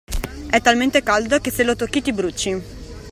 E' talmente caldo che se lo tocchi ti bruci!